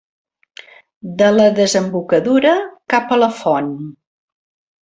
De la desembocadura cap a la font.